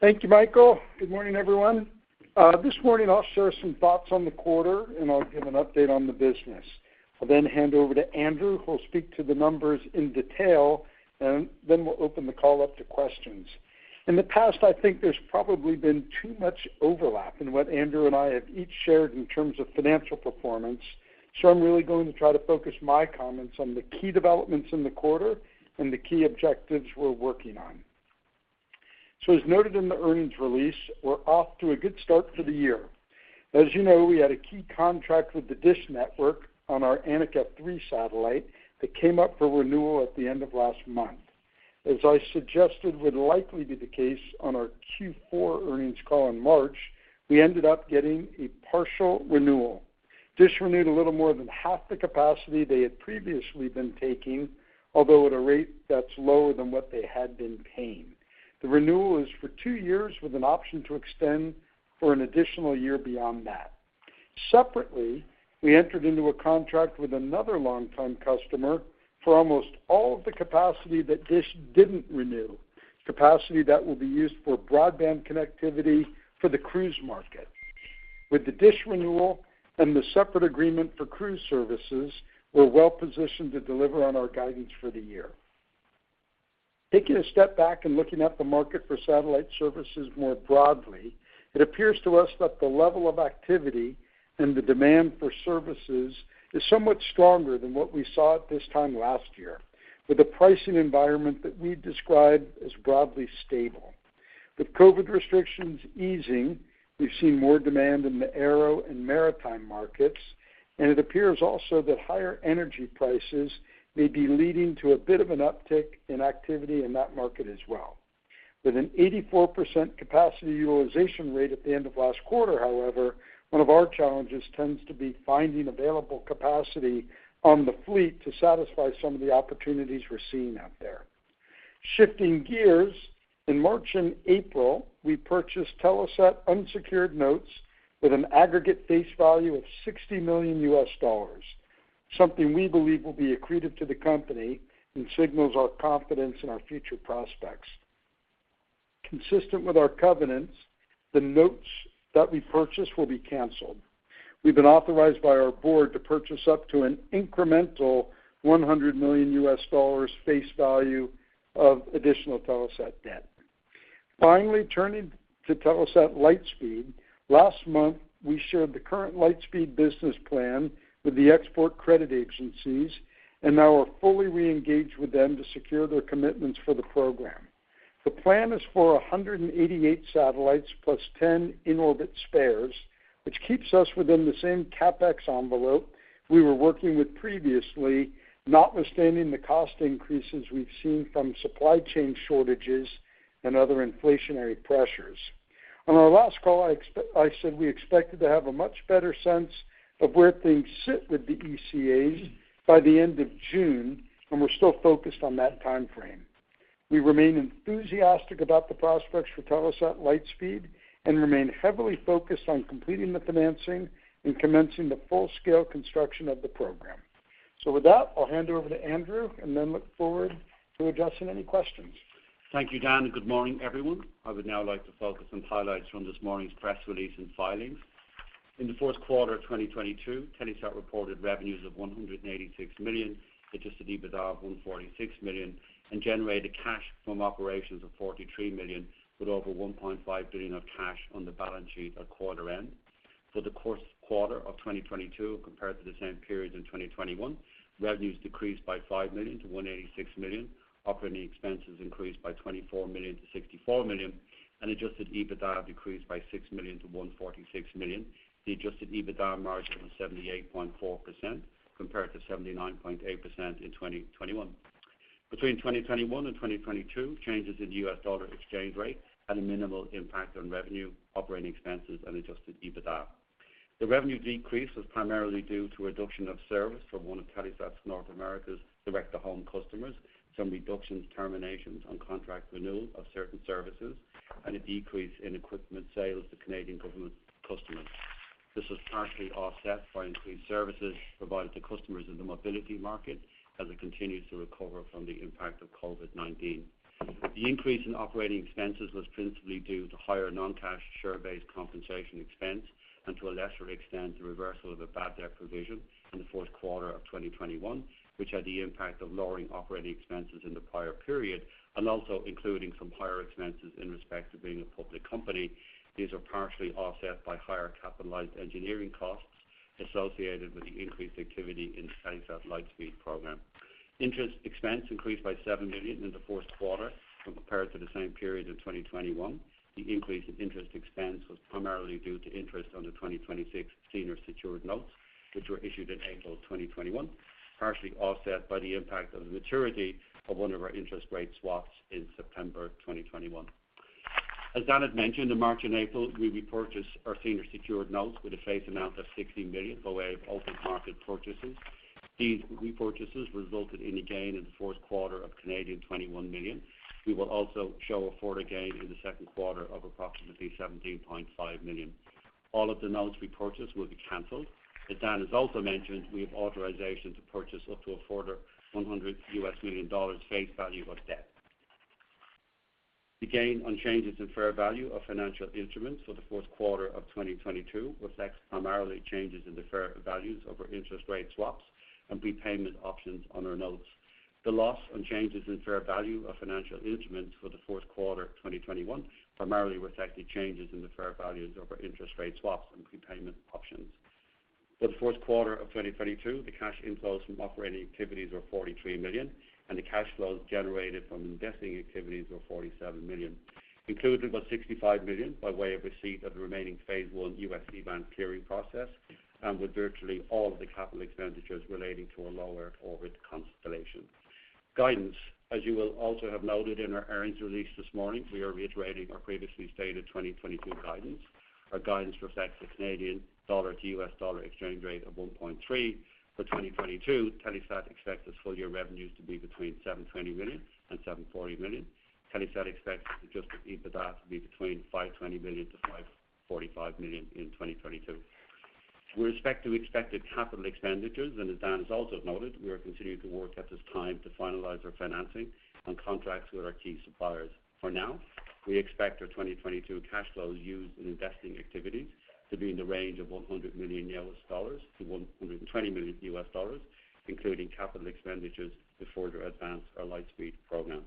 Thank you, Michael. Good morning, everyone. This morning I'll share some thoughts on the quarter, and I'll give an update on the business. I'll then hand over to Andrew, who will speak to the numbers in detail, and then we'll open the call up to questions. In the past, I think there's probably been too much overlap in what Andrew and I have each shared in terms of financial performance. I'm really going to try to focus my comments on the key developments in the quarter and the key objectives we're working on. As noted in the earnings release, we're off to a good start for the year. As you know, we had a key contract with the Dish Network on our Anik F3 satellite that came up for renewal at the end of last month. As I suggested would likely be the case on our Q4 earnings call in March, we ended up getting a partial renewal. Dish renewed a little more than half the capacity they had previously been taking, although at a rate that's lower than what they had been paying. The renewal is for two years with an option to extend for an additional year beyond that. Separately, we entered into a contract with another long-time customer for almost all of the capacity that Dish didn't renew, capacity that will be used for broadband connectivity for the cruise market. With the Dish renewal and the separate agreement for cruise services, we're well positioned to deliver on our guidance for the year. Taking a step back and looking at the market for satellite services more broadly, it appears to us that the level of activity and the demand for services is somewhat stronger than what we saw at this time last year, with a pricing environment that we describe as broadly stable. With COVID restrictions easing, we've seen more demand in the aero and maritime markets, and it appears also that higher energy prices may be leading to a bit of an uptick in activity in that market as well. With an 84% capacity utilization rate at the end of last quarter, however, one of our challenges tends to be finding available capacity on the fleet to satisfy some of the opportunities we're seeing out there. Shifting gears, in March and April, we purchased Telesat unsecured notes with an aggregate face value of $60 million, something we believe will be accretive to the company and signals our confidence in our future prospects. Consistent with our covenants, the notes that we purchase will be canceled. We've been authorized by our board to purchase up to an incremental $100 million face value of additional Telesat debt. Finally, turning to Telesat Lightspeed. Last month, we shared the current Lightspeed business plan with the export credit agencies, and now we're fully reengaged with them to secure their commitments for the program. The plan is for 188 satellites plus 10 in-orbit spares, which keeps us within the same CapEx envelope we were working with previously, notwithstanding the cost increases we've seen from supply chain shortages and other inflationary pressures. On our last call, I said we expected to have a much better sense of where things sit with the ECAs by the end of June, and we're still focused on that time frame. We remain enthusiastic about the prospects for Telesat Lightspeed and remain heavily focused on completing the financing and commencing the full-scale construction of the program. With that, I'll hand over to Andrew and then look forward to addressing any questions. Thank you, Dan, and good morning, everyone. I would now like to focus on highlights from this morning's press release and filings. In the first quarter of 2022, Telesat reported revenues of 186 million, adjusted EBITDA of 146 million, and generated cash from operations of 43 million, with over 1.5 billion of cash on the balance sheet at quarter end. For the quarter of 2022 compared to the same period in 2021, revenues decreased by 5 million to 186 million. Operating expenses increased by 24 million to 64 million, and adjusted EBITDA decreased by 6 million to 146 million. The adjusted EBITDA margin was 78.4% compared to 79.8% in 2021. Between 2021 and 2022, changes in US dollar exchange rate had a minimal impact on revenue, operating expenses, and adjusted EBITDA. The revenue decrease was primarily due to a reduction of service from one of Telesat's North American direct-to-home customers, some reductions, terminations on contract renewal of certain services, and a decrease in equipment sales to Canadian government customers. This was partially offset by increased services provided to customers in the mobility market as it continues to recover from the impact of COVID-19. The increase in operating expenses was principally due to higher non-cash share-based compensation expense and to a lesser extent, the reversal of a bad debt provision in the fourth quarter of 2021, which had the impact of lowering operating expenses in the prior period and also including some higher expenses in respect to being a public company. These are partially offset by higher capitalized engineering costs associated with the increased activity in Telesat Lightspeed program. Interest expense increased by 7 million in the fourth quarter when compared to the same period in 2021. The increase in interest expense was primarily due to interest on the 2026 Senior Secured Notes, which were issued in April 2021, partially offset by the impact of the maturity of one of our interest rate swaps in September 2021. As Dan had mentioned, in March and April, we repurchased our senior secured notes with a face amount of $60 million by way of open market purchases. These repurchases resulted in a gain in the fourth quarter of 21 million. We will also show a quarter gain in the second quarter of approximately 17.5 million. All of the notes we purchased will be canceled. As Dan has also mentioned, we have authorization to purchase up to a further $100 million face value of debt. The gain on changes in fair value of financial instruments for the fourth quarter of 2022 reflects primarily changes in the fair values of our interest rate swaps and prepayment options on our notes. The loss on changes in fair value of financial instruments for the fourth quarter of 2021 primarily reflects the changes in the fair values of our interest rate swaps and prepayment options. For the fourth quarter of 2022, the cash inflows from operating activities were 43 million, and the cash flows generated from investing activities were 47 million, including about 65 million by way of receipt of the remaining phase one US C-band clearing process and with virtually all of the capital expenditures relating to a low-Earth orbit constellation. Guidance. As you will also have noted in our earnings release this morning, we are reiterating our previously stated 2022 guidance. Our guidance reflects a Canadian dollar to US dollar exchange rate of 1.3 for 2022. Telesat expects its full year revenues to be between 720 million-740 million. Telesat expects adjusted EBITDA to be between 520 million-545 million in 2022. With respect to expected capital expenditures, and as Dan has also noted, we are continuing to work at this time to finalize our financing and contracts with our key suppliers. For now, we expect our 2022 cash flows used in investing activities to be in the range of $100 million-$120 million, including capital expenditures to further advance our Lightspeed program.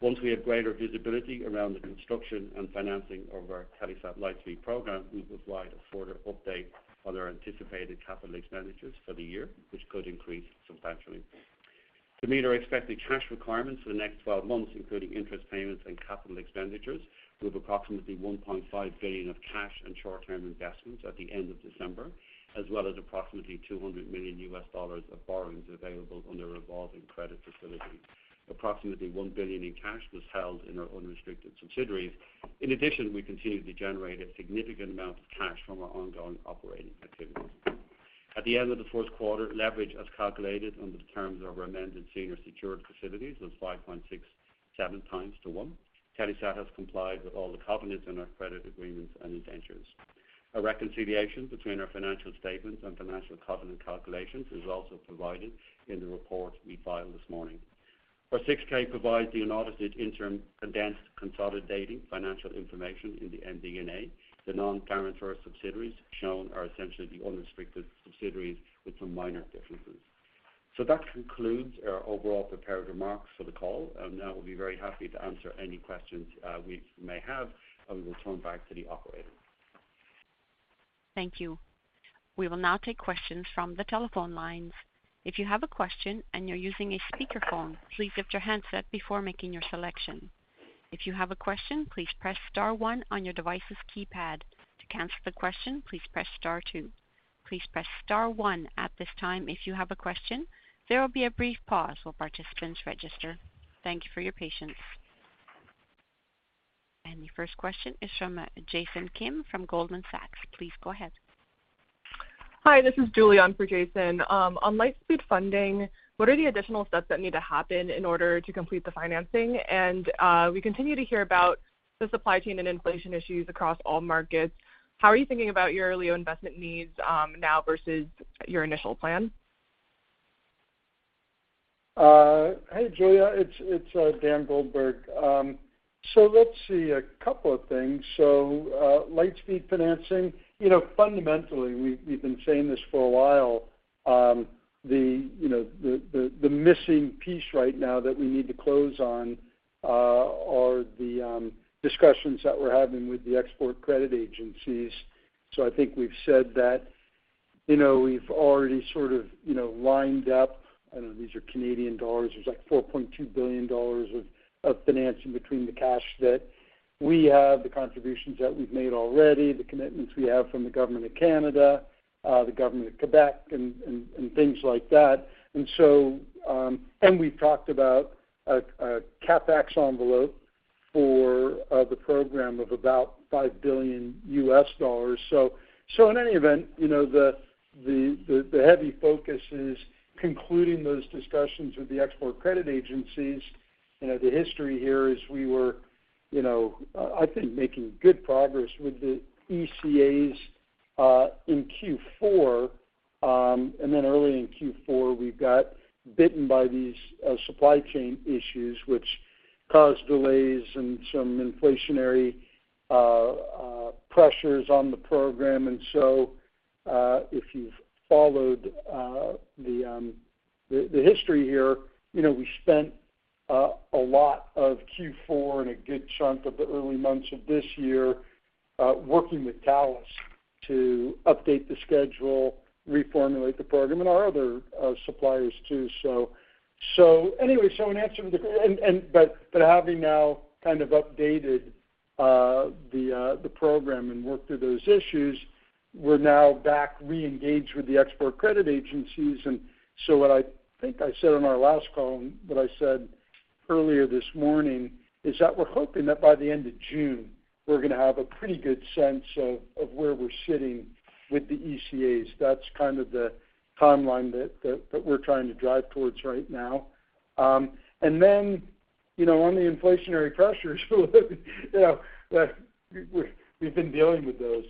Once we have greater visibility around the construction and financing of our Telesat Lightspeed program, we will provide a further update on our anticipated capital expenditures for the year, which could increase substantially. To meet our expected cash requirements for the next twelve months, including interest payments and capital expenditures, we have approximately 1.5 billion of cash and short-term investments at the end of December, as well as approximately $200 million of borrowings available on the revolving credit facility. Approximately 1 billion in cash was held in our unrestricted subsidiaries. In addition, we continue to generate a significant amount of cash from our ongoing operating activities. At the end of the first quarter, leverage as calculated under the terms of our amended senior secured facilities was 5.67x. Telesat has complied with all the covenants in our credit agreements and indentures. A reconciliation between our financial statements and financial covenant calculations is also provided in the report we filed this morning. Our 6-K provides the unaudited interim condensed consolidated financial information in the MD&A. The non-parental subsidiaries shown are essentially the unrestricted subsidiaries with some minor differences. That concludes our overall prepared remarks for the call. Now we'll be very happy to answer any questions we may have, and we will turn back to the operator. Thank you. We will now take questions from the telephone lines. If you have a question and you're using a speakerphone, please mute your handset before making your selection. If you have a question, please press star one on your device's keypad. To cancel the question, please press star two. Please press star one at this time if you have a question. There will be a brief pause while participants register. Thank you for your patience. The first question is from Jason Kim from Goldman Sachs. Please go ahead. Hi, this is Julia in for Jason. On Lightspeed funding, what are the additional steps that need to happen in order to complete the financing? We continue to hear about the supply chain and inflation issues across all markets. How are you thinking about your early investment needs, now versus your initial plan? Hey, Julia, it's Dan Goldberg. Let's see, a couple of things. Lightspeed financing. You know, fundamentally, we've been saying this for a while, you know, the missing piece right now that we need to close on are the discussions that we're having with the export credit agencies. I think we've said that, you know, we've already sort of, you know, lined up. I don't know, these are Canadian dollars. There's like 4.2 billion dollars of financing between the cash that we have, the contributions that we've made already, the commitments we have from the government of Canada, the government of Quebec, and things like that. We've talked about a CapEx envelope for the program of about $5 billion. In any event, the heavy focus is concluding those discussions with the export credit agencies. The history here is we were I think making good progress with the ECAs in Q4. Early in Q4, we got bitten by these supply chain issues which caused delays and some inflationary pressures on the program. If you've followed the history here, we spent a lot of Q4 and a good chunk of the early months of this year working with Thales to update the schedule, reformulate the program, and our other suppliers too. Having now kind of updated the program and worked through those issues, we're now back re-engaged with the Export Credit Agencies. What I think I said on our last call and what I said earlier this morning is that we're hoping that by the end of June, we're gonna have a pretty good sense of where we're sitting with the ECAs. That's kind of the timeline that we're trying to drive towards right now. You know, on the inflationary pressures, you know, we've been dealing with those.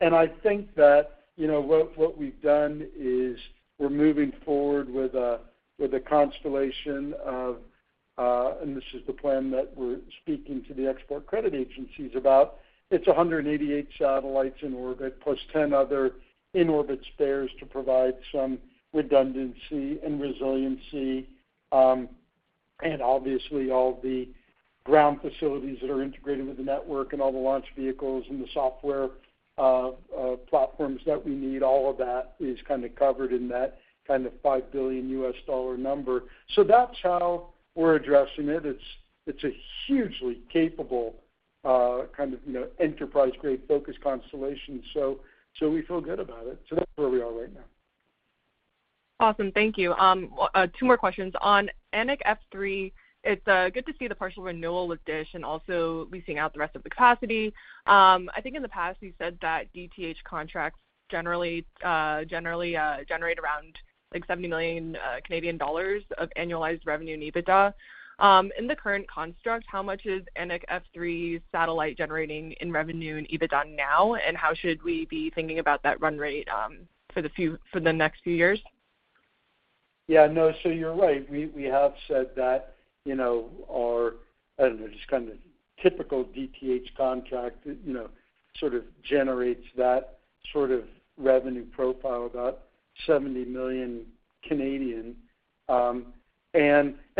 I think that what we've done is we're moving forward with a constellation, and this is the plan that we're speaking to the export credit agencies about. It's 188 satellites in orbit, plus 10 other in-orbit spares to provide some redundancy and resiliency. Obviously all the ground facilities that are integrated with the network and all the launch vehicles and the software platforms that we need, all of that is kind of covered in that kind of $5 billion number. That's how we're addressing it. It's a hugely capable kind of enterprise-grade focused constellation. We feel good about it. That's where we are right now. Awesome. Thank you. Two more questions. On Anik F3, it's good to see the partial renewal with Dish and also leasing out the rest of the capacity. I think in the past, you said that DTH contracts generally generate around, like 70 million Canadian dollars of annualized revenue and EBITDA. In the current construct, how much is Anik F3 satellite generating in revenue and EBITDA now? And how should we be thinking about that run rate for the next few years? Yeah, no. You're right. We have said that, you know, our, I don't know, just kind of typical DTH contract, you know, sort of generates that sort of revenue profile, about 70 million.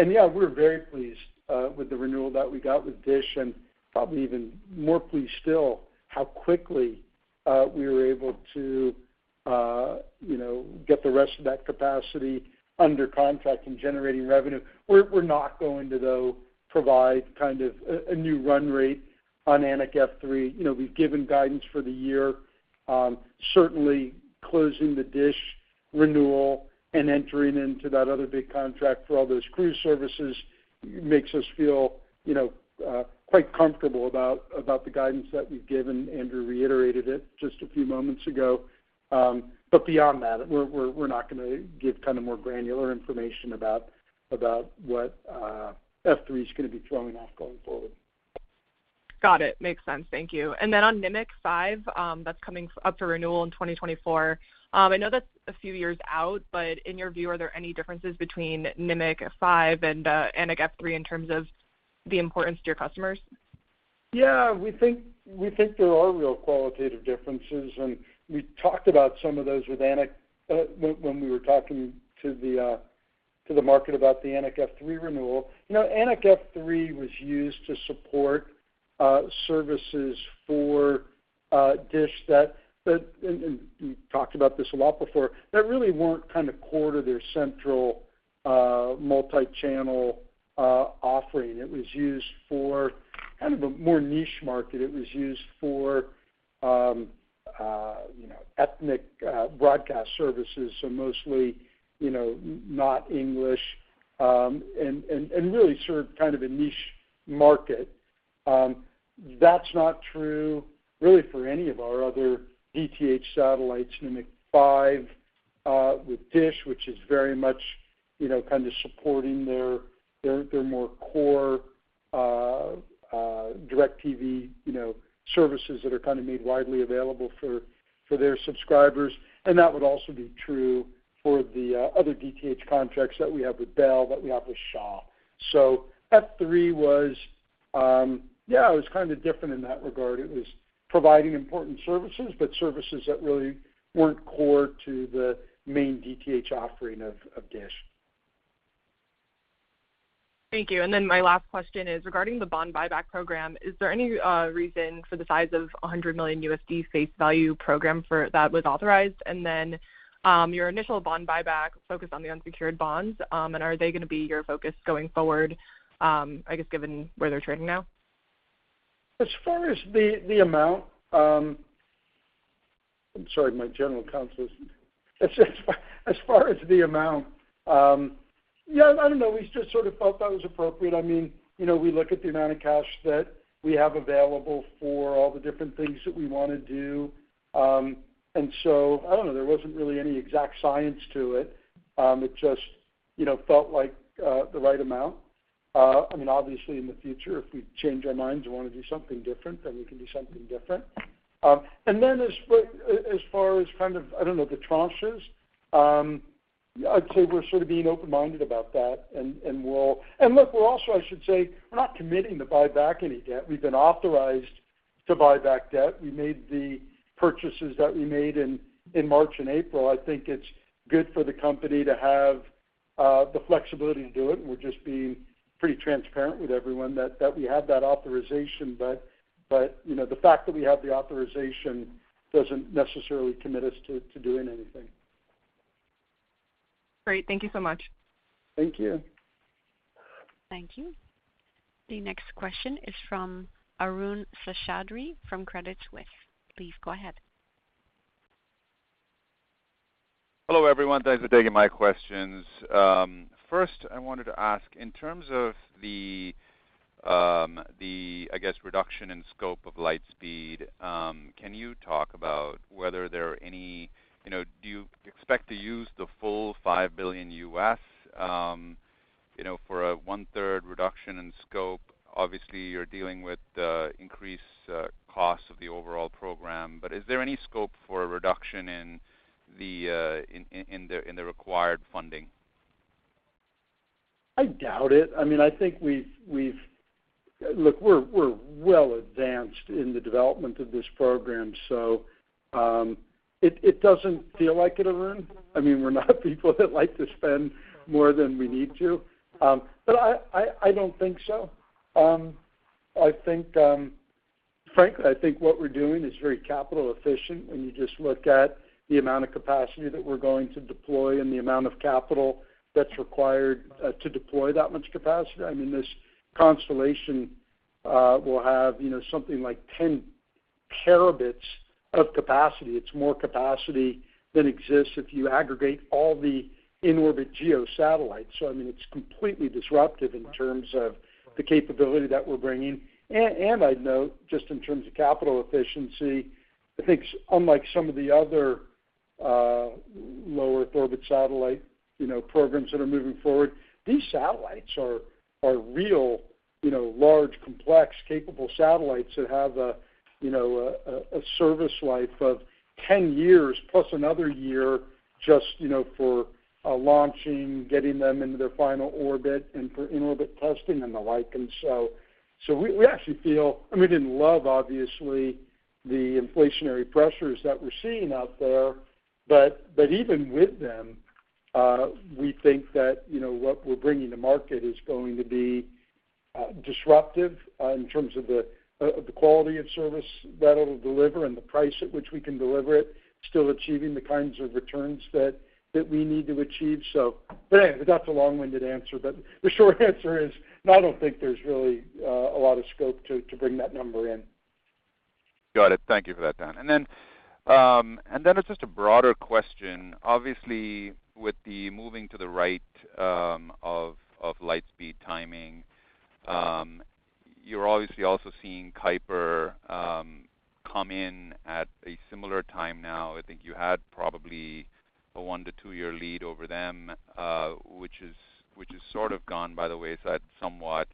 Yeah, we're very pleased with the renewal that we got with Dish, and probably even more pleased still how quickly we were able to, you know, get the rest of that capacity under contract and generating revenue. We're not going to, though, provide kind of a new run rate on Anik F3. You know, we've given guidance for the year. Certainly closing the Dish renewal and entering into that other big contract for all those cruise services makes us feel, you know, quite comfortable about the guidance that we've given. Andrew reiterated it just a few moments ago. Beyond that, we're not gonna give kind of more granular information about what F3 is gonna be throwing off going forward. Got it. Makes sense. Thank you. On Nimiq 5, that's coming up to renewal in 2024. I know that's a few years out, but in your view, are there any differences between Nimiq 5 and Anik F3 in terms of the importance to your customers? Yeah, we think there are real qualitative differences. We talked about some of those with Anik when we were talking to the market about the Anik F3 renewal. You know, Anik F3 was used to support services for Dish that and we talked about this a lot before, that really weren't kind of core to their central multi-channel offering. It was used for kind of a more niche market. It was used for you know ethnic broadcast services, so mostly you know not English and really served kind of a niche market. That's not true really for any of our other DTH satellites, Nimiq 5, with Dish, which is very much, you know, kind of supporting their more core, DIRECTV, you know, services that are kind of made widely available for their subscribers. That would also be true for the other DTH contracts that we have with Bell, that we have with Shaw. F3 was, yeah, it was kind of different in that regard. It was providing important services, but services that really weren't core to the main DTH offering of Dish. Thank you. My last question is regarding the bond buyback program. Is there any reason for the size of $100 million face value program that was authorized? Your initial bond buyback focused on the unsecured bonds, and are they gonna be your focus going forward, I guess, given where they're trading now? As far as the amount, yeah, I don't know. We just sort of felt that was appropriate. I mean, you know, we look at the amount of cash that we have available for all the different things that we wanna do. I don't know, there wasn't really any exact science to it. It just, you know, felt like the right amount. I mean, obviously, in the future, if we change our minds and wanna do something different, then we can do something different. As far as kind of, I don't know, the tranches, I'd say we're sort of being open-minded about that and we'll also, I should say, we're not committing to buy back any debt. We've been authorized to buy back debt. We made the purchases that we made in March and April. I think it's good for the company to have the flexibility to do it, and we're just being pretty transparent with everyone that we have that authorization. You know, the fact that we have the authorization doesn't necessarily commit us to doing anything. Great. Thank you so much. Thank you. Thank you. The next question is from Arun Seshadri from Credit Suisse. Please go ahead. Hello, everyone. Thanks for taking my questions. First, I wanted to ask, in terms of the, I guess, reduction in scope of Lightspeed, can you talk about whether there are any, you know, do you expect to use the full $5 billion, you know, for a one-third reduction in scope? Obviously, you're dealing with increased costs of the overall program. Is there any scope for a reduction in the required funding? I doubt it. I mean, I think we've. Look, we're well advanced in the development of this program, so it doesn't feel like it, Arun. I mean, we're not people that like to spend more than we need to. But I don't think so. I think, frankly, I think what we're doing is very capital efficient when you just look at the amount of capacity that we're going to deploy and the amount of capital that's required to deploy that much capacity. I mean, this constellation will have, you know, something like 10 Tb of capacity. It's more capacity than exists if you aggregate all the in-orbit GEO satellites. So I mean, it's completely disruptive in terms of the capability that we're bringing. I'd note, just in terms of capital efficiency, I think unlike some of the other low Earth orbit satellite you know programs that are moving forward, these satellites are real you know large, complex, capable satellites that have a you know service life of 10 years plus another year just you know for launching, getting them into their final orbit, and for in-orbit testing and the like. We actually feel. I mean, we didn't love, obviously, the inflationary pressures that we're seeing out there. Even with them, we think that, you know, what we're bringing to market is going to be disruptive in terms of the quality of service that it'll deliver and the price at which we can deliver it, still achieving the kinds of returns that we need to achieve. Anyway, that's a long-winded answer. The short answer is, I don't think there's really a lot of scope to bring that number in. Got it. Thank you for that, Dan. It's just a broader question. Obviously, with the moving to the right of Lightspeed timing, you're obviously also seeing Kuiper come in at a similar time now. I think you had probably a 1-2-year lead over them, which is sort of gone by the wayside somewhat.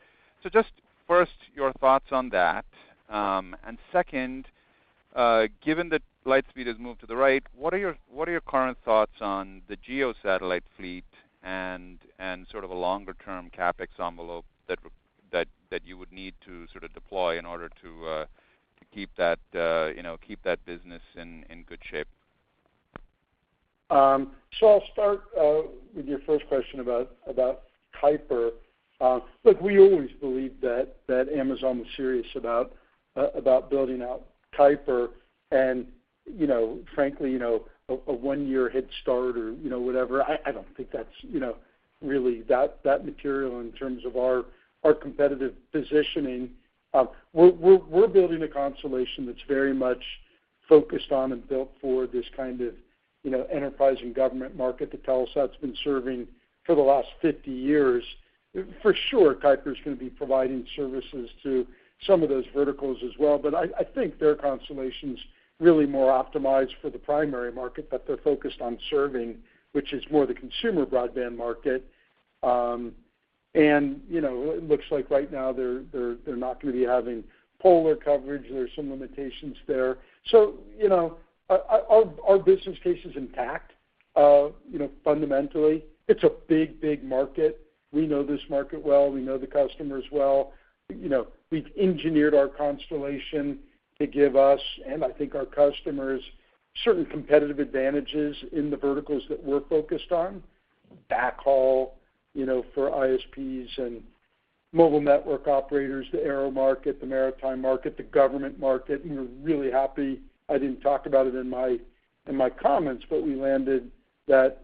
Just first, your thoughts on that. Second, given that Lightspeed has moved to the right, what are your current thoughts on the GEO satellite fleet and sort of a longer term CapEx envelope that you would need to sort of deploy in order to keep that business in good shape? I'll start with your first question about Kuiper. Look, we always believed that Amazon was serious about building out Kuiper and, you know, frankly, you know, a 1-year head start or, you know, whatever, I don't think that's, you know, really that material in terms of our competitive positioning. We're building a constellation that's very much focused on and built for this kind of, you know, enterprise and government market that Telesat's been serving for the last 50 years. For sure, Kuiper's gonna be providing services to some of those verticals as well, but I think their constellation's really more optimized for the primary market that they're focused on serving, which is more the consumer broadband market. You know, it looks like right now they're not gonna be having polar coverage. There's some limitations there. You know, our business case is intact, you know, fundamentally. It's a big market. We know this market well. We know the customers well. You know, we've engineered our constellation to give us, and I think our customers, certain competitive advantages in the verticals that we're focused on. Backhaul, you know, for ISPs and mobile network operators, the aero market, the maritime market, the government market. We're really happy. I didn't talk about it in my comments, but we landed that,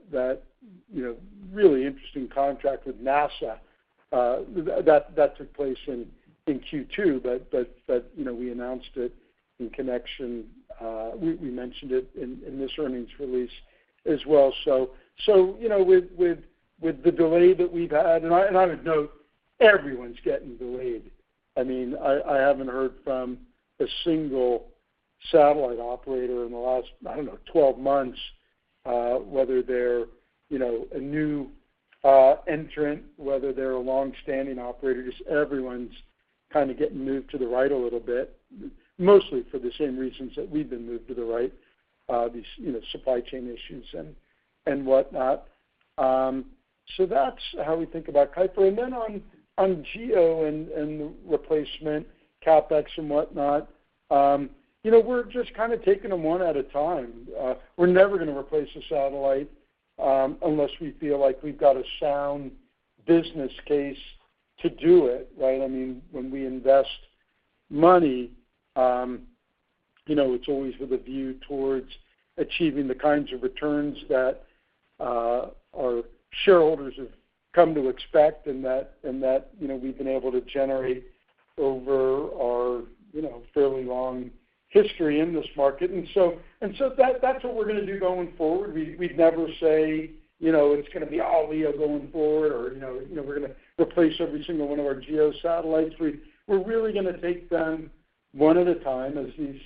you know, really interesting contract with NASA, that took place in Q2. You know, we announced it in connection, we mentioned it in this earnings release as well. You know, with the delay that we've had, and I would note, everyone's getting delayed. I mean, I haven't heard from a single satellite operator in the last, I don't know, 12 months, whether they're, you know, a new entrant, whether they're a long-standing operator, just everyone's kind of getting moved to the right a little bit, mostly for the same reasons that we've been moved to the right, these, you know, supply chain issues and whatnot. That's how we think about Kuiper. Then on GEO and replacement CapEx and whatnot, you know, we're just kind of taking them one at a time. We're never gonna replace a satellite, unless we feel like we've got a sound business case to do it, right? I mean, when we invest money, you know, it's always with a view towards achieving the kinds of returns that our shareholders have come to expect, and that you know, we've been able to generate over our you know, fairly long history in this market. That's what we're gonna do going forward. We'd never say, you know, it's gonna be all LEO going forward or you know, we're gonna replace every single one of our GEO satellites. We're really gonna take them one at a time as these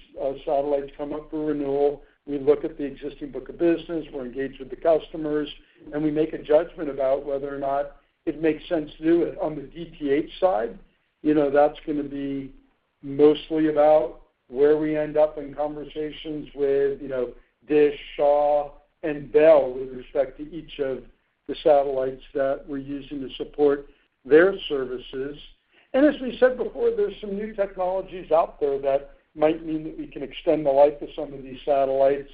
satellites come up for renewal. We look at the existing book of business, we're engaged with the customers, and we make a judgment about whether or not it makes sense to do it. On the DTH side, you know, that's gonna be mostly about where we end up in conversations with, you know, Dish, Shaw, and Bell with respect to each of the satellites that we're using to support their services. As we said before, there's some new technologies out there that might mean that we can extend the life of some of these satellites,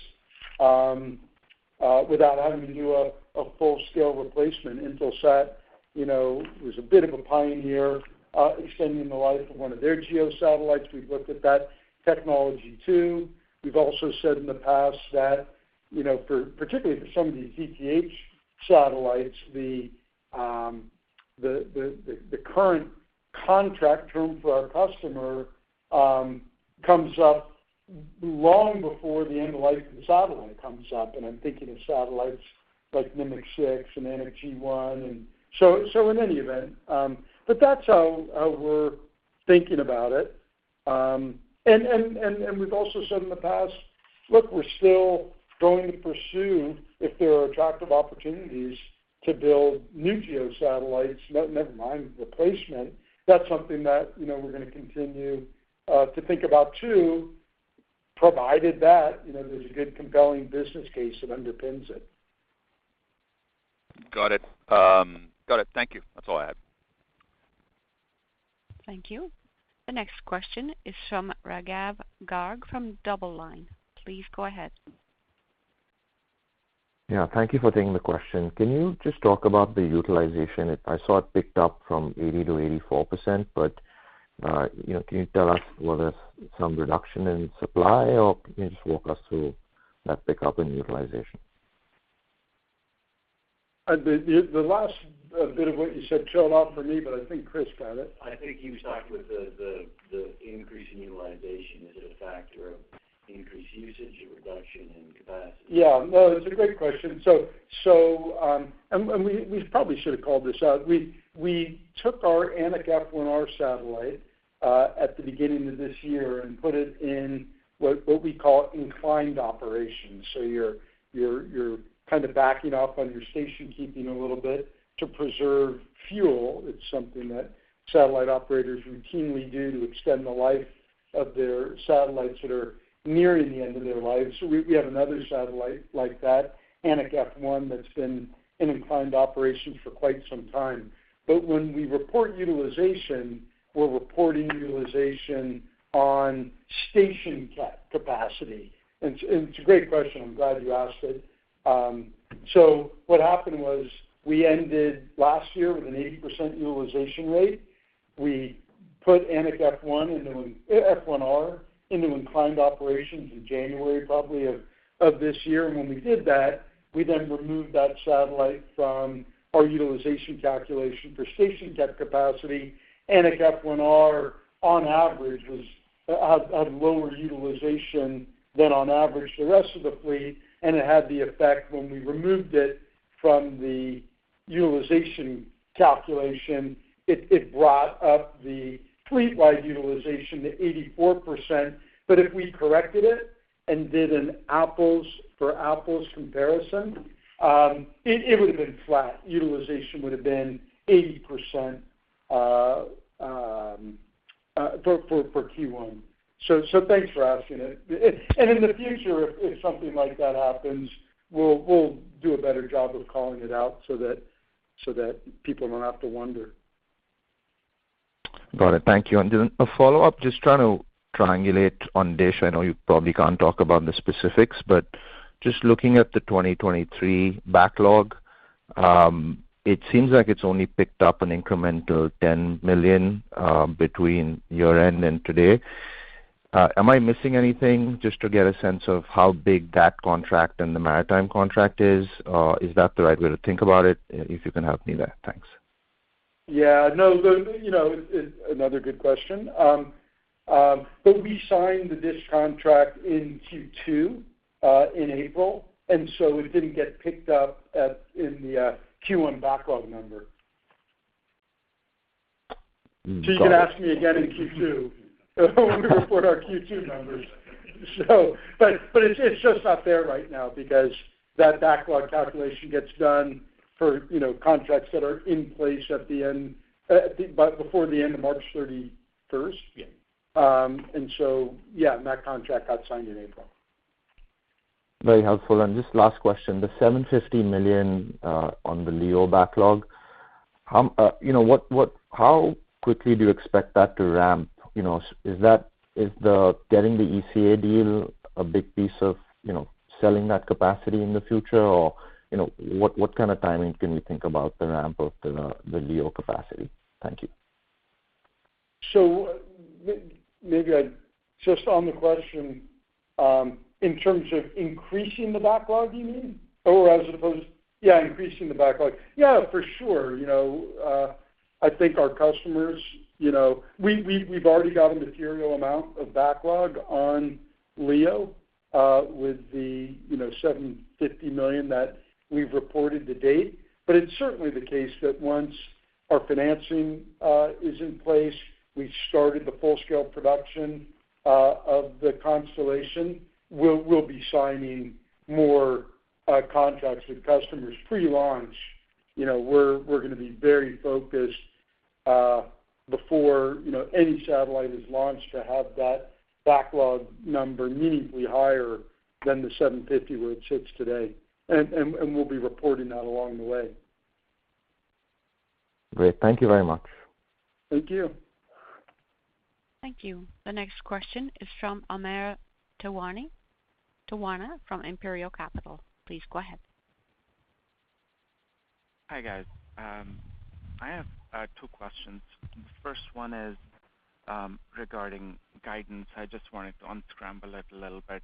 without having to do a full-scale replacement. Intelsat, you know, was a bit of a pioneer, extending the life of one of their GEO satellites. We've looked at that technology too. We've also said in the past that, you know, particularly for some of these DTH satellites, the current contract term for our customer, comes up long before the end-of-life of the satellite comes up, and I'm thinking of satellites like Nimiq 6 and Anik G1. In any event, but that's how we're thinking about it. We've also said in the past, look, we're still going to pursue if there are attractive opportunities to build new GEO satellites, never mind replacement. That's something that, you know, we're gonna continue to think about too, provided that, you know, there's a good compelling business case that underpins it. Got it. Thank you. That's all I have. Thank you. The next question is from Raghav Garg from DoubleLine. Please go ahead. Yeah. Thank you for taking the question. Can you just talk about the utilization? I saw it picked up from 80%-84%, but, you know, can you tell us whether there's some reduction in supply, or can you just walk us through that pickup in utilization? The last bit of what you said trailed off for me, but I think Chris got it. I think he was talking with the increase in utilization. Is it a factor of increased usage or reduction in capacity? No, that's a great question. We probably should have called this out. We took our Anik F1R satellite at the beginning of this year and put it in what we call inclined operations. You're kind of backing off on your station-keeping a little bit to preserve fuel. It's something that satellite operators routinely do to extend the life of their satellites that are nearing the end of their lives. We have another satellite like that, Anik F1, that's been in inclined operations for quite some time. When we report utilization, we're reporting utilization on station-kept capacity. It's a great question. I'm glad you asked it. What happened was we ended last year with an 80% utilization rate. We put Anik F1 into F1R into inclined operations in January probably of this year. When we did that, we then removed that satellite from our utilization calculation for station-kept capacity. Anik F1R on average had lower utilization than on average the rest of the fleet, and it had the effect when we removed it from the utilization calculation, it brought up the fleet-wide utilization to 84%. If we corrected it and did an apples for apples comparison, it would've been flat. Utilization would've been 80% for Q1. Thanks for asking it. In the future, if something like that happens, we'll do a better job of calling it out so that people don't have to wonder. Got it. Thank you. Just a follow-up, just trying to triangulate on Dish. I know you probably can't talk about the specifics, but just looking at the 2023 backlog, it seems like it's only picked up an incremental 10 million between year-end and today. Am I missing anything just to get a sense of how big that contract and the maritime contract is? Or is that the right way to think about it, if you can help me there? Thanks. Yeah, no. You know, it's another good question. We signed the Dish contract in Q2, in April, and so it didn't get picked up in the Q1 backlog number. Got it. You can ask me again in Q2 when we report our Q2 numbers. But it's just not there right now because that backlog calculation gets done for, you know, contracts that are in place before the end of March thirty-first. Yeah. That contract got signed in April. Very helpful. Just last question. The 750 million on the LEO backlog, you know, how quickly do you expect that to ramp? You know, is getting the ECA deal a big piece of, you know, selling that capacity in the future? Or, you know, what kind of timing can we think about the ramp of the LEO capacity? Thank you. Just on the question, in terms of increasing the backlog, you mean? Or as opposed, yeah, increasing the backlog. Yeah, for sure. You know, I think our customers, you know, we've already got a material amount of backlog on LEO, with the 750 million that we've reported to date. But it's certainly the case that once our financing is in place, we started the full-scale production of the constellation, we'll be signing more contracts with customers pre-launch. You know, we're gonna be very focused before, you know, any satellite is launched to have that backlog number meaningfully higher than the 750 million where it sits today. And we'll be reporting that along the way. Great. Thank you very much. Thank you. Thank you. The next question is from Amer Tiwana from Imperial Capital. Please go ahead. Hi, guys. I have two questions. The first one is regarding guidance. I just wanted to unscramble it a little bit.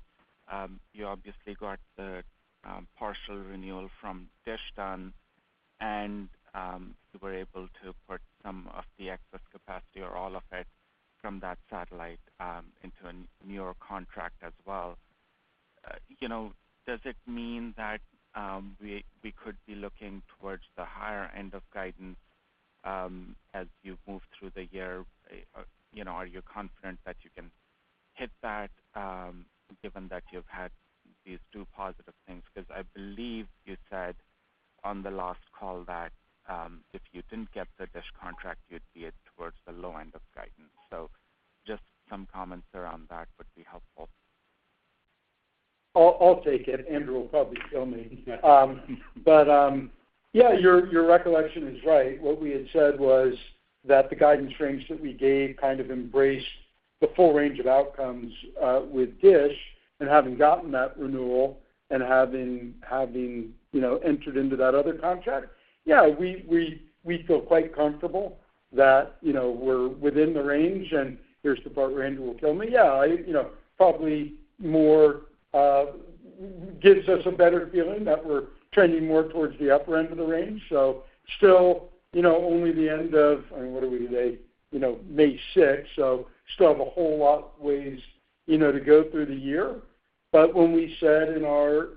You obviously got the partial renewal from Dish, and you were able to put some of the excess capacity or all of it from that satellite into a newer contract as well. You know, does it mean that we could be looking towards the higher end of guidance as you move through the year? You know, are you confident that you can hit that given that you've had these two positive things? Because I believe you said on the last call that if you didn't get the Dish contract, you'd be towards the low end of guidance. Just some comments around that would be helpful. I'll take it. Andrew will probably kill me. Yeah, your recollection is right. What we had said was that the guidance range that we gave kind of embraced the full range of outcomes with Dish and having gotten that renewal and having you know entered into that other contract. Yeah, we feel quite comfortable that you know we're within the range, and here's the part where Andrew will kill me. Yeah, you know probably more gives us a better feeling that we're trending more towards the upper end of the range. Still, you know, only the end of, I mean, what are we today? You know, May 6, so still have a whole lot ways you know to go through the year. when we said in our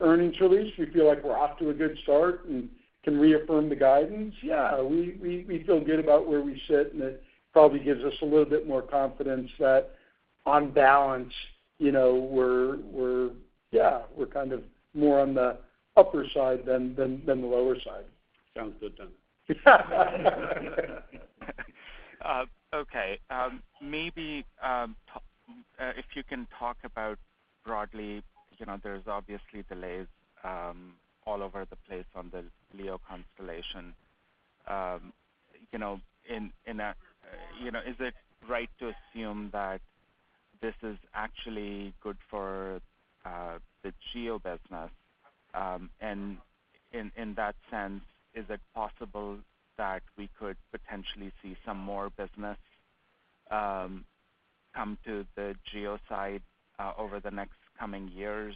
earnings release, we feel like we're off to a good start and can reaffirm the guidance. Yeah, we feel good about where we sit, and it probably gives us a little bit more confidence that on balance, you know, we're, yeah, we're kind of more on the upper side than the lower side. Sounds good then. Okay. Maybe if you can talk about broadly, you know, there's obviously delays all over the place on the LEO constellation. You know, is it right to assume that this is actually good for the GEO business? In that sense, is it possible that we could potentially see some more business come to the GEO side over the next coming years?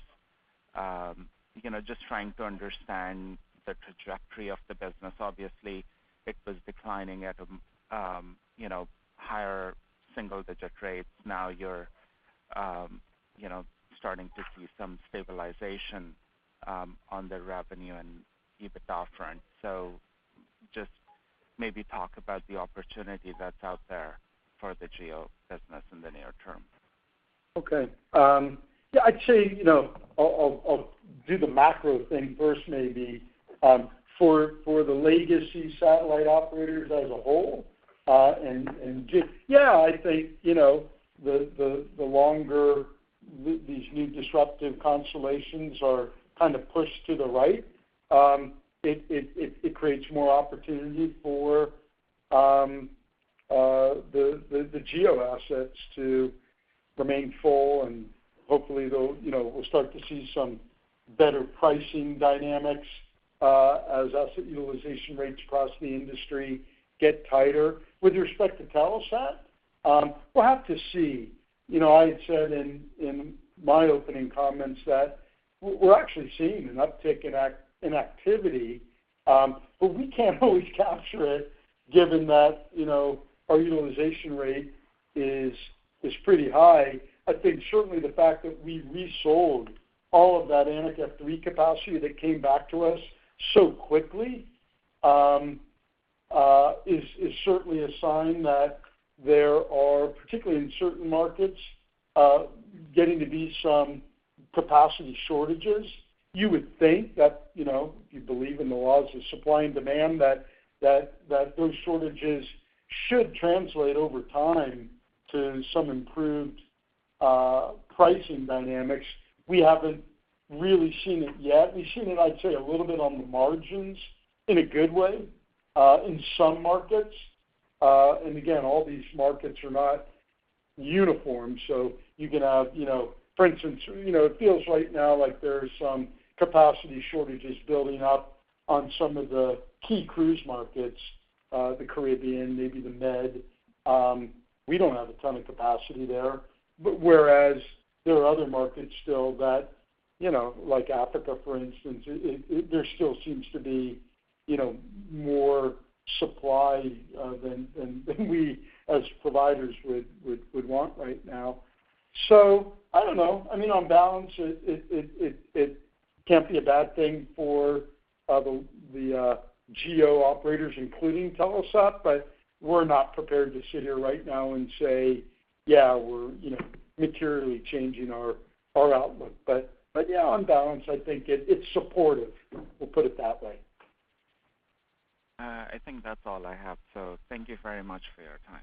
You know, just trying to understand the trajectory of the business. Obviously, it was declining at you know, higher single-digit rates. Now you're you know, starting to see some stabilization on the revenue and EBITDA front. Just maybe talk about the opportunity that's out there for the GEO business in the near term. Okay. Yeah, I'd say, you know, I'll do the macro thing first, maybe. For the legacy satellite operators as a whole, and just, yeah, I think, you know, the longer these new disruptive constellations are kind of pushed to the right, it creates more opportunity for the GEO assets to remain full, and hopefully they'll, you know, we'll start to see some better pricing dynamics as asset utilization rates across the industry get tighter. With respect to Telesat, we'll have to see. You know, I had said in my opening comments that we're actually seeing an uptick in activity, but we can't always capture it given that, you know, our utilization rate is pretty high. I think certainly the fact that we resold all of that Anik F3 capacity that came back to us so quickly is certainly a sign that there are, particularly in certain markets, getting to be some capacity shortages. You would think that if you believe in the laws of supply and demand, that those shortages should translate over time to some improved pricing dynamics. We haven't really seen it yet. We've seen it, I'd say, a little bit on the margins in a good way in some markets. Again, all these markets are not uniform, so you can have, for instance, it feels right now like there's some capacity shortages building up on some of the key cruise markets, the Caribbean, maybe the Med, we don't have a ton of capacity there. Whereas there are other markets still that, you know, like Africa, for instance, there still seems to be, you know, more supply than we as providers would want right now. I don't know. I mean, on balance, it can't be a bad thing for the GEO operators, including Telesat, but we're not prepared to sit here right now and say, "Yeah, we're, you know, materially changing our outlook." Yeah, on balance, I think it's supportive. We'll put it that way. I think that's all I have. Thank you very much for your time.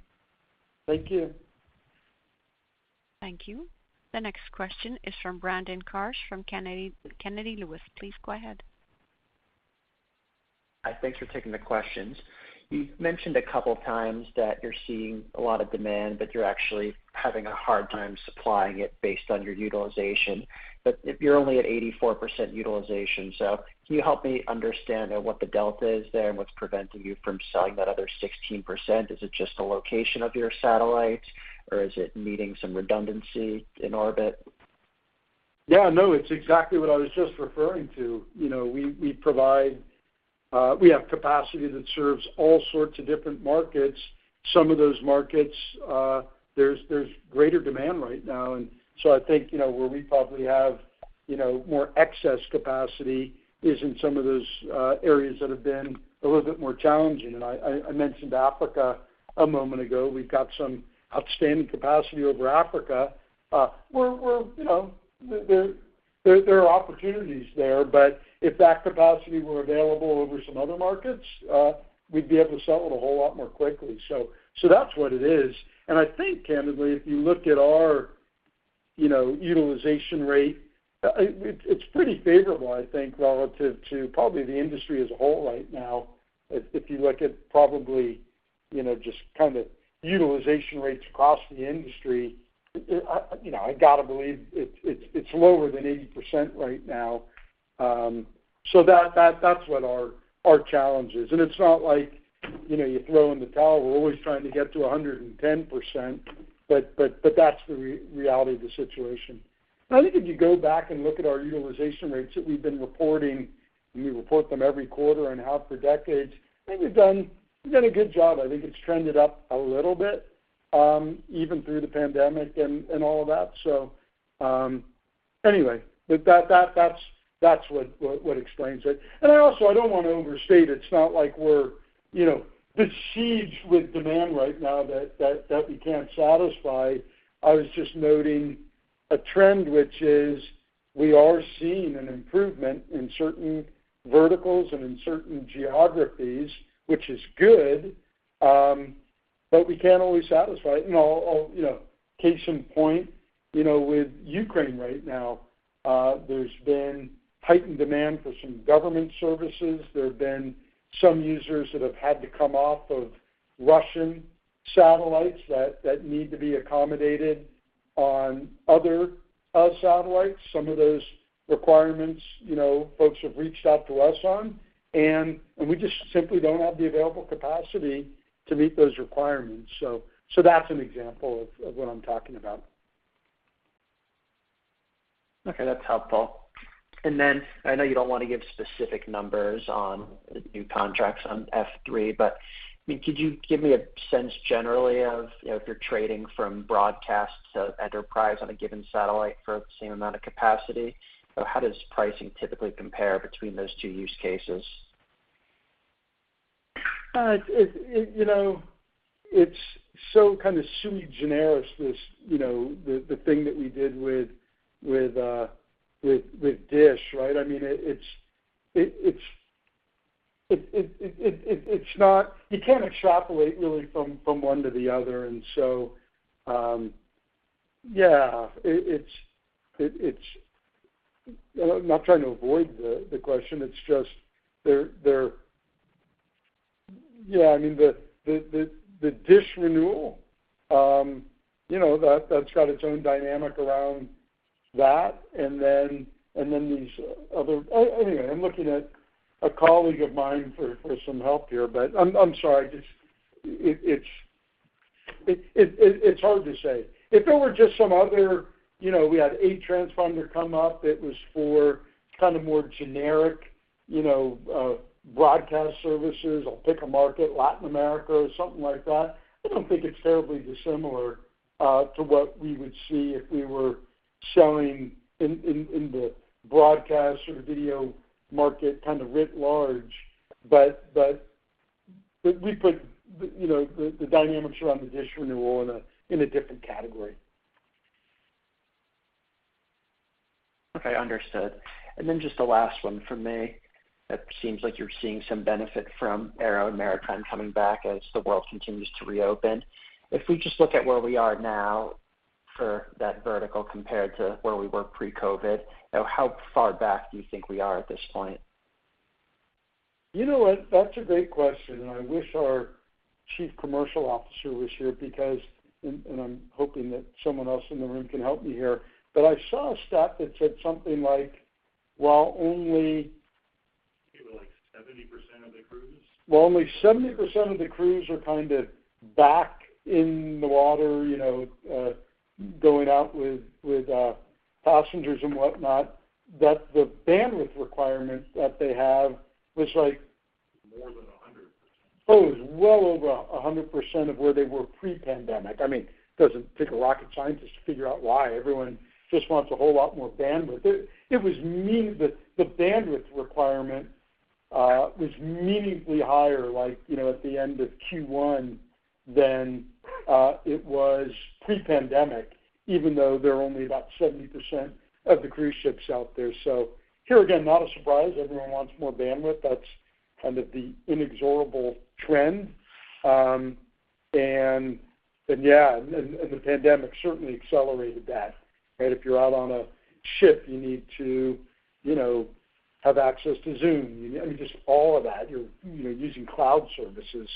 Thank you. Thank you. The next question is from Brandon Karsch from Kennedy Lewis. Please go ahead. Hi. Thanks for taking the questions. You've mentioned a couple times that you're seeing a lot of demand, but you're actually having a hard time supplying it based on your utilization. If you're only at 84% utilization. Can you help me understand what the delta is there and what's preventing you from selling that other 16%? Is it just the location of your satellites, or is it meeting some redundancy in orbit? Yeah. No, it's exactly what I was just referring to. You know, we provide. We have capacity that serves all sorts of different markets. Some of those markets, there's greater demand right now. I think, you know, where we probably have, you know, more excess capacity is in some of those areas that have been a little bit more challenging. I mentioned Africa a moment ago. We've got some outstanding capacity over Africa, where, you know, there are opportunities there. But if that capacity were available over some other markets, we'd be able to sell it a whole lot more quickly. That's what it is. I think, candidly, if you look at our, you know, utilization rate, it's pretty favorable, I think, relative to probably the industry as a whole right now. If you look at probably, you know, just kind of utilization rates across the industry, you know, I gotta believe it's lower than 80% right now. That's what our challenge is. It's not like, you know, you throw in the towel. We're always trying to get to 110%, but that's the reality of the situation. I think if you go back and look at our utilization rates that we've been reporting, we report them every quarter and half for decades, I think we've done a good job. I think it's trended up a little bit, even through the pandemic and all of that. That's what explains it. I also, I don't wanna overstate it. It's not like we're, you know, besieged with demand right now that we can't satisfy. I was just noting a trend, which is we are seeing an improvement in certain verticals and in certain geographies, which is good, but we can't always satisfy. You know, case in point, you know, with Ukraine right now, there's been heightened demand for some government services. There have been some users that have had to come off of Russian satellites that need to be accommodated on other satellites. Some of those requirements, you know, folks have reached out to us on, and we just simply don't have the available capacity to meet those requirements. That's an example of what I'm talking about. Okay. That's helpful. I know you don't wanna give specific numbers on new contracts on F3, but, I mean, could you give me a sense generally of, you know, if you're trading from broadcast to enterprise on a given satellite for the same amount of capacity? How does pricing typically compare between those two use cases? You know, it's so kind of sui generis, this, you know, the thing that we did with Dish, right? I mean, it's not. You can't extrapolate really from one to the other. I'm not trying to avoid the question. It's just they're. Yeah, I mean, the Dish renewal, you know, that's got its own dynamic around that. Anyway, I'm looking at a colleague of mine for some help here, but I'm sorry. It's hard to say. If there were just some other, you know, we had a transponder come up that was for kind of more generic, you know, broadcast services. I'll pick a market, Latin America or something like that. I don't think it's terribly dissimilar to what we would see if we were selling in the broadcast or video market kind of writ large. We put the, you know, the dynamics around the Dish renewal in a different category. Okay. Understood. Just the last one from me. It seems like you're seeing some benefit from aero and maritime coming back as the world continues to reopen. If we just look at where we are now for that vertical compared to where we were pre-COVID, you know, how far back do you think we are at this point? You know what? That's a great question, and I wish our Chief Commercial Officer was here because, and I'm hoping that someone else in the room can help me here. I saw a stat that said something like, while only I think it was like 70% of the crews. While only 70% of the crews are kind of back in the water, you know, going out with passengers and whatnot, that the bandwidth requirement that they have was like- More than 100%. Oh, it was well over 100% of where they were pre-pandemic. I mean, it doesn't take a rocket scientist to figure out why. Everyone just wants a whole lot more bandwidth. It was the bandwidth requirement was meaningfully higher, like, you know, at the end of Q1 than it was pre-pandemic, even though there are only about 70% of the cruise ships out there. So here again, not a surprise. Everyone wants more bandwidth. That's kind of the inexorable trend. And then, yeah, and the pandemic certainly accelerated that, right? If you're out on a ship, you need to, you know, have access to Zoom. You know, I mean, just all of that. You're, you know, using cloud services.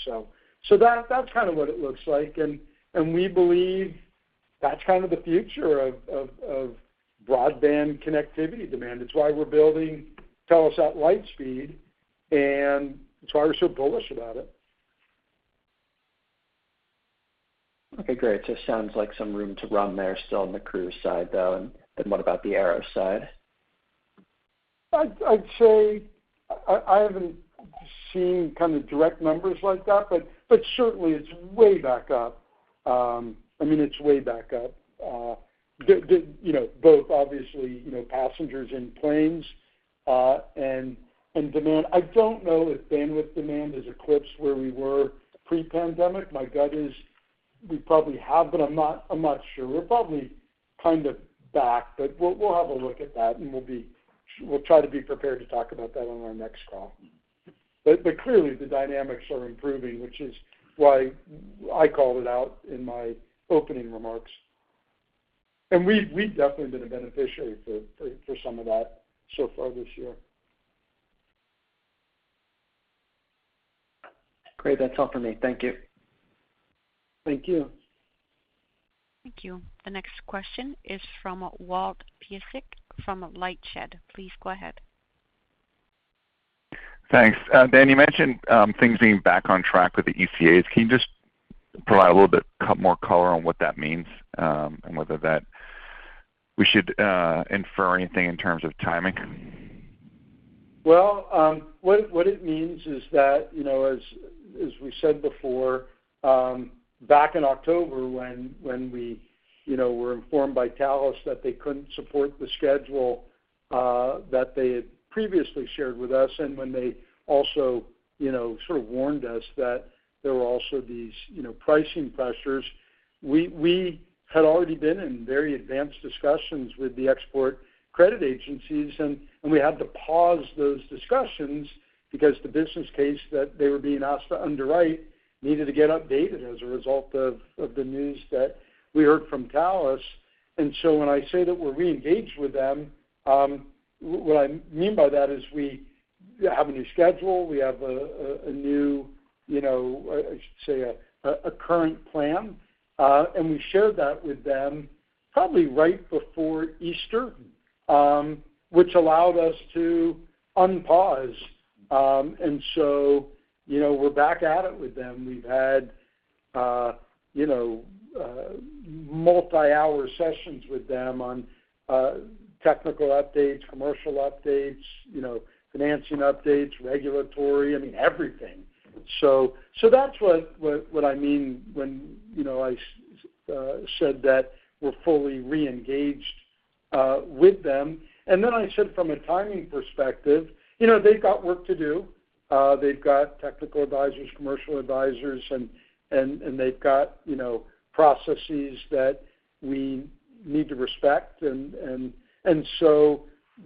So that's kind of what it looks like. We believe that's kind of the future of broadband connectivity demand. It's why we're building Telesat Lightspeed, and that's why we're so bullish about it. Okay. Great. Just sounds like some room to run there still on the cruise side, though. What about the aero side? I'd say I haven't seen kind of direct numbers like that, but certainly it's way back up. I mean, it's way back up, the you know, both obviously, you know, passengers and planes, and demand. I don't know if bandwidth demand has eclipsed where we were pre-pandemic. My gut is we probably have, but I'm not sure. We're probably kind of back, but we'll have a look at that, and we'll try to be prepared to talk about that on our next call. Clearly the dynamics are improving, which is why I called it out in my opening remarks. We've definitely been a beneficiary for some of that so far this year. Great. That's all for me. Thank you. Thank you. Thank you. The next question is from Walt Piecyk from LightShed. Please go ahead. Thanks. Dan, you mentioned things being back on track with the ECAs. Can you just provide a little bit more color on what that means, and whether we should infer anything in terms of timing? Well, what it means is that, you know, as we said before, back in October when we, you know, were informed by Thales that they couldn't support the schedule that they had previously shared with us, and when they also, you know, sort of warned us that there were also these, you know, pricing pressures, we had already been in very advanced discussions with the export credit agencies, and we had to pause those discussions because the business case that they were being asked to underwrite needed to get updated as a result of the news that we heard from Thales. When I say that we're re-engaged with them, what I mean by that is we have a new schedule. We have a new, you know, I should say a current plan. We shared that with them probably right before Easter, which allowed us to unpause. You know, we're back at it with them. We've had, you know, multi-hour sessions with them on technical updates, commercial updates, you know, financing updates, regulatory, I mean, everything. That's what I mean when, you know, I said that we're fully re-engaged with them. I said from a timing perspective, you know, they've got work to do. They've got technical advisors, commercial advisors, and they've got, you know, processes that we need to respect.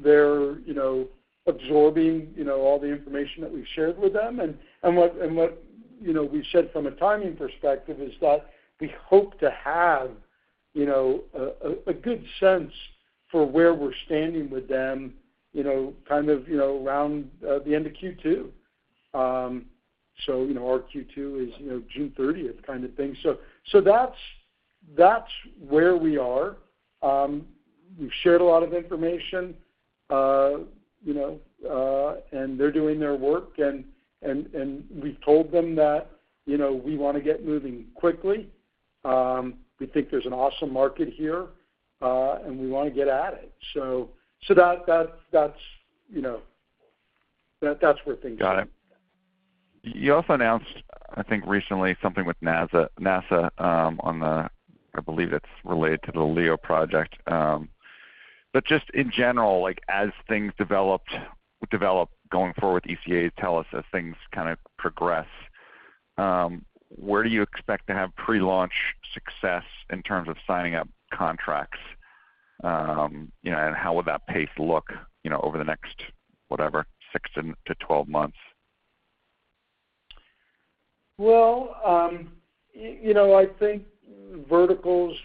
They're, you know, absorbing, you know, all the information that we've shared with them. What you know, we've said from a timing perspective is that we hope to have you know a good sense for where we're standing with them you know kind of around the end of Q2. You know, our Q2 is you know June thirtieth kind of thing. That's where we are. We've shared a lot of information. You know and they're doing their work, and we've told them that you know we wanna get moving quickly. We think there's an awesome market here and we wanna get at it. That's where things are. Got it. You also announced, I think recently something with NASA on the I believe it's related to the LEO project. Just in general, like, as things develop going forward with ECAs, tell us as things kind of progress, where do you expect to have pre-launch success in terms of signing up contracts? You know, and how would that pace look, you know, over the next, whatever, 6-12 months? You know, verticals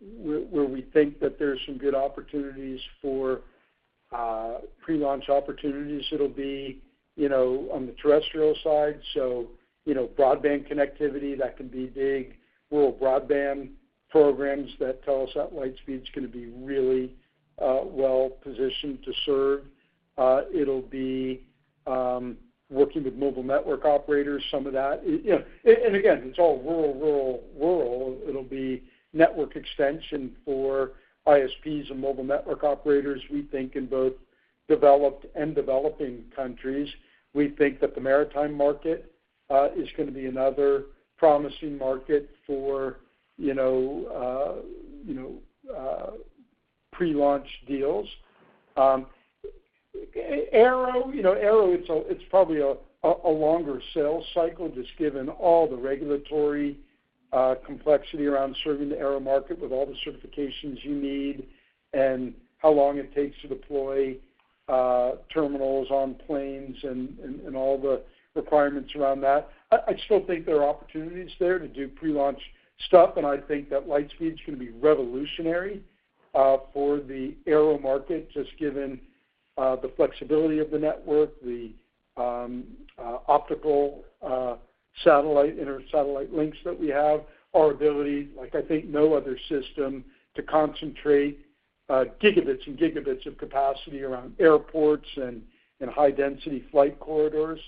where we think that there's some good opportunities for pre-launch opportunities, it'll be, you know, on the terrestrial side. You know, broadband connectivity, that can be big. Rural broadband programs that Telesat Lightspeed's gonna be really well positioned to serve. It'll be working with mobile network operators, some of that. You know, and again, it's all rural. It'll be network extension for ISPs and mobile network operators, we think, in both developed and developing countries. We think that the maritime market is gonna be another promising market for, you know, pre-launch deals. Aero, you know, it's probably a longer sales cycle, just given all the regulatory complexity around serving the aero market with all the certifications you need and how long it takes to deploy terminals on planes and all the requirements around that. I still think there are opportunities there to do pre-launch stuff, and I think that Lightspeed's gonna be revolutionary for the aero market, just given the flexibility of the network, the optical inter-satellite links that we have, our ability, like, I think no other system, to concentrate gigabits of capacity around airports and high-density flight corridors.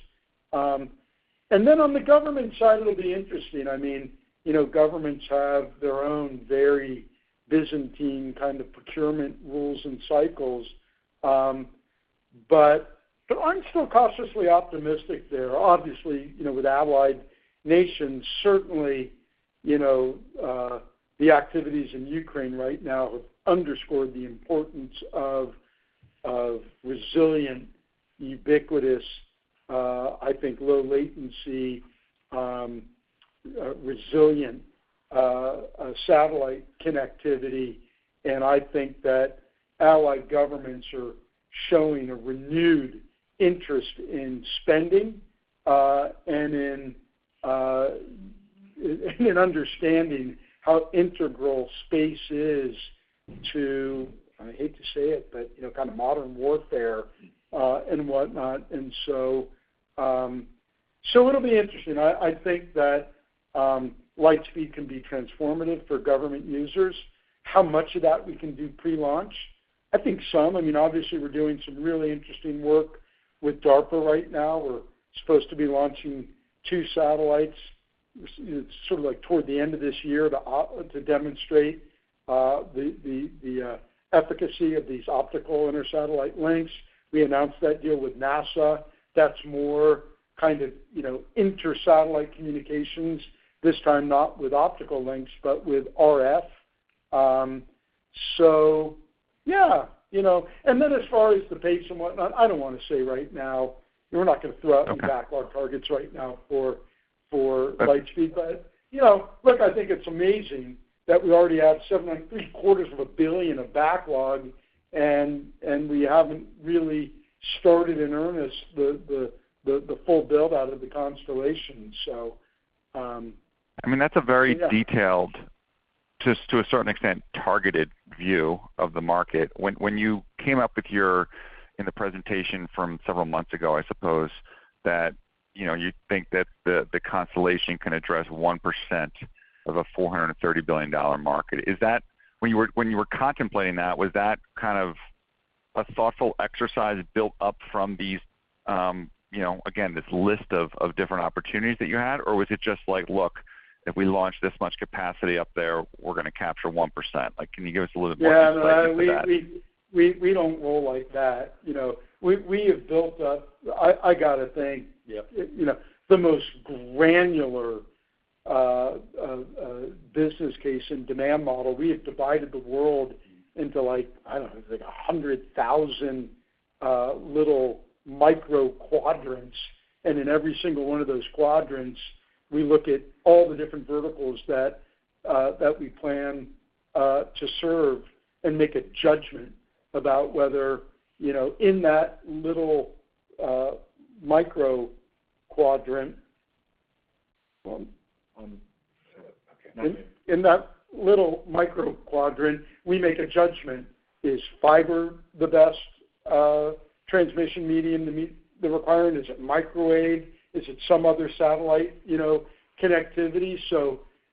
Then on the government side, it'll be interesting. I mean, you know, governments have their own very Byzantine kind of procurement rules and cycles. I'm still cautiously optimistic there. Obviously, you know, with allied nations, certainly, you know, the activities in Ukraine right now have underscored the importance of resilient, ubiquitous, I think low latency resilient satellite connectivity. I think that allied governments are showing a renewed interest in spending and in understanding how integral space is to, I hate to say it, but, you know, kind of modern warfare and whatnot. It'll be interesting. I think that Lightspeed can be transformative for government users. How much of that we can do pre-launch? I think some. I mean, obviously, we're doing some really interesting work with DARPA right now. We're supposed to be launching 2 satellites sort of, like, toward the end of this year to demonstrate the efficacy of these optical inter-satellite links. We announced that deal with NASA. That's more kind of, you know, inter-satellite communications, this time not with optical links, but with RF. Yeah, you know. As far as the pace and whatnot, I don't wanna say right now. We're not gonna throw out any backlog targets right now for Lightspeed. You know, look, I think it's amazing that we already have seven like three-quarters of a billion of backlog, and we haven't really started in earnest the full build-out of the constellation. I mean, that's a very detailed. Yeah just to a certain extent, targeted view of the market. When you came up with your in the presentation from several months ago, I suppose, that you know you think that the constellation can address 1% of a $430 billion market. Is that when you were contemplating that, was that kind of a thoughtful exercise built up from these you know again this list of different opportunities that you had? Or was it just like, "Look, if we launch this much capacity up there, we're gonna capture 1%"? Like, can you give us a little bit more insight into that? Yeah. No, we don't roll like that, you know. We have built up, I gotta think- Yeah you know, the most granular business case and demand model. We have divided the world into, like, I don't know, like 100,000 little micro quadrants, and in every single one of those quadrants, we look at all the different verticals that we plan to serve and make a judgment about whether, you know, in that little micro quadrant. Okay. My bad. In that little micro quadrant, we make a judgment. Is fiber the best transmission medium to meet the requirement? Is it microwave? Is it some other satellite, you know, connectivity?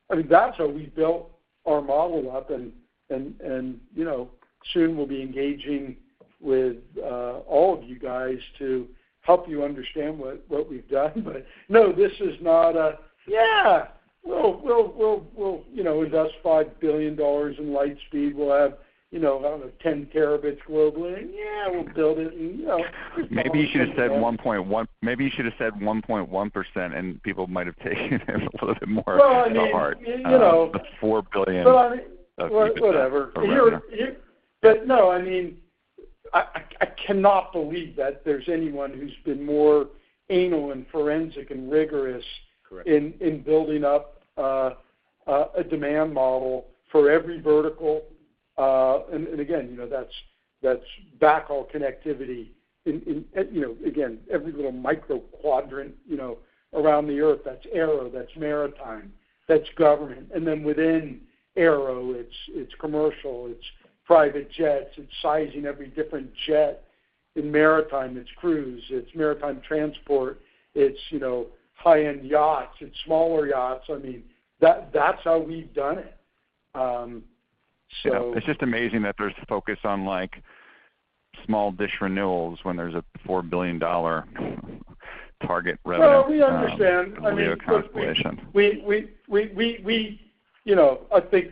I mean, that's how we've built our model up, and you know, soon we'll be engaging with all of you guys to help you understand what we've done. No, this is not a, "Yeah, we'll you know, invest $5 billion in Lightspeed. We'll have, you know, I don't know, 10 Tb globally. Yeah, we'll build it," and you know. Maybe you should've said 1.1%, and people might have taken it as a little bit more to heart. Well, I mean, you know. The 4 billion. Well, I mean. Well, whatever. CAD 4 million. No, I mean, I cannot believe that there's anyone who's been more anal and forensic and rigorous. Correct in building up a demand model for every vertical. Again, you know, that's backhaul connectivity in you know, again, every little micro quadrant, you know, around the earth, that's aero, that's maritime, that's government. Within aero, it's commercial, it's private jets. It's sizing every different jet. In maritime, it's cruise, it's maritime transport, it's you know, high-end yachts and smaller yachts. I mean, that's how we've done it. You know, it's just amazing that there's focus on like small dish renewals when there's a CAD 4 billion target revenue. Well, we understand. re-accumulation. I mean, look, you know, I think.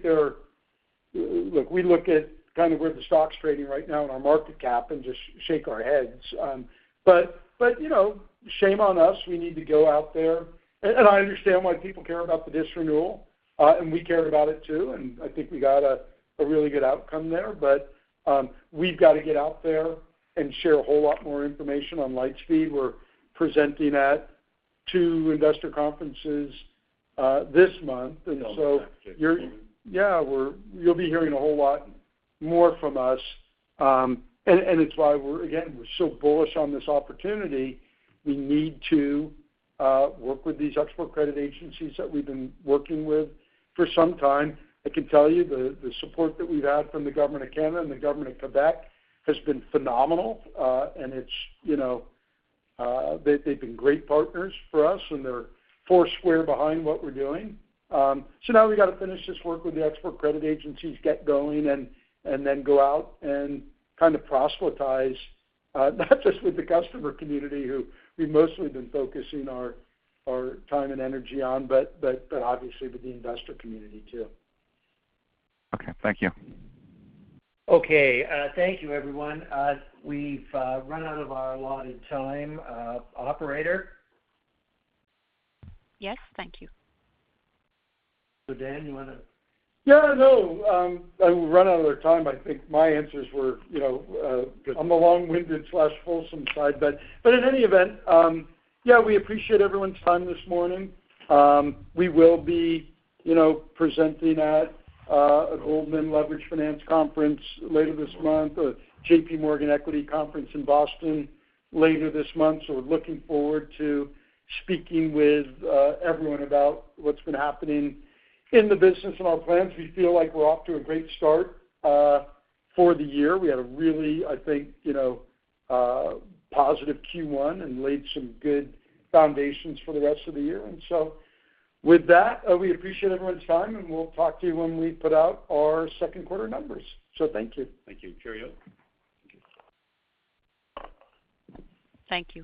Look, we look at kind of where the stock's trading right now in our market cap and just shake our heads. You know, shame on us, we need to go out there. I understand why people care about the Dish renewal, and we care about it too, and I think we got a really good outcome there. We've got to get out there and share a whole lot more information on Lightspeed. We're presenting at two investor conferences this month. You'll be hearing a whole lot more from us. It's why we're again so bullish on this opportunity. We need to work with these export credit agencies that we've been working with for some time. I can tell you the support that we've had from the Government of Canada and the Government of Quebec has been phenomenal. It's, you know, they've been great partners for us, and they're four square behind what we're doing. Now we gotta finish this work with the export credit agencies, get going and then go out and kind of proselytize, not just with the customer community who we've mostly been focusing our time and energy on, but obviously with the investor community too. Okay. Thank you. Okay. Thank you everyone. We've run out of our allotted time. Operator? Yes, thank you. Dan, yeah, no. We've run out of our time. I think my answers were, you know, I'm a long-winded fellow, some say. But, but in any event, yeah, we appreciate everyone's time this morning. We will be, you know, presenting at Goldman Sachs Leveraged Finance Conference later this month, a J.P. Morgan equity conference in Boston later this month. We're looking forward to speaking with, uh, everyone about what's been happening in the business and our plans. We feel like we're off to a great start, uh, for the year. We had a really, I think, you know, uh, positive Q1 and laid some good foundations for the rest of the year. With that, uh, we appreciate everyone's time, and we'll talk to you when we put out our second quarter numbers. Thank you. Cheerio. Thank you.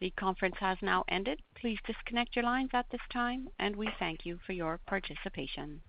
The conference has now ended. Please disconnect your lines at this time, and we thank you for your participation.